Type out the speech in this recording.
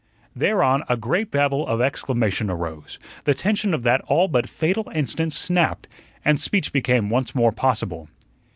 Thereon a great babel of exclamation arose. The tension of that all but fatal instant snapped, and speech became once more possible.